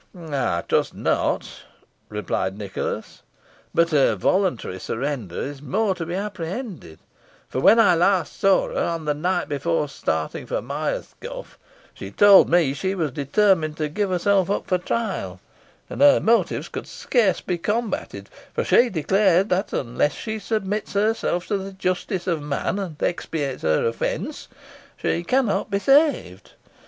"I trust not," replied Nicholas; "but her voluntary surrender is more to be apprehended, for when I last saw her, on the night before starting for Myerscough, she told me she was determined to give herself up for trial; and her motives could scarce be combated, for she declares that, unless she submits herself to the justice of man, and expiates her offences, she cannot be saved.